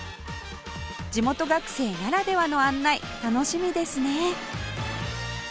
地元学生ならではの案内楽しみですね